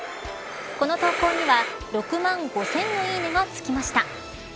この投稿には６万５０００のいいねがつきました。